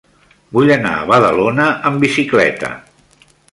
Vull anar a Badalona amb bicicleta.